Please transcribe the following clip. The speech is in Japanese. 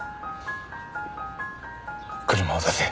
車を出せ。